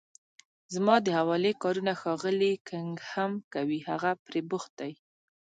زما د حوالې کارونه ښاغلی کننګهم کوي، هغه پرې بوخت دی.